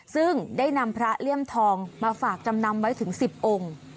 ซึ่งได้นำพระเลี่ยมทองมาฝากจำนำไว้ถึง๑๐องค์